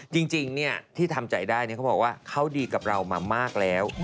จริงที่ทำใจได้เขาบอกว่าเขาดีกับเรามามากแล้ว